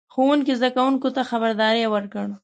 ښوونکي زده کوونکو ته خبرداری ورکړ.